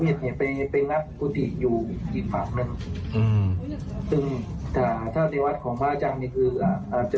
ผมคิดว่าน่าจะเป็นคนในพื้นที่ในจังหวัดสำหรัฐเศรษฐ์